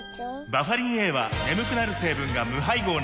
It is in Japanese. バファリンＡは眠くなる成分が無配合なんです